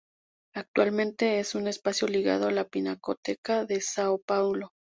Actualmente, es un espacio ligado a la Pinacoteca de São Paulo.